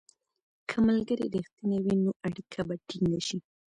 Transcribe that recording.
که ملګري رښتیني وي، نو اړیکه به ټینګه شي.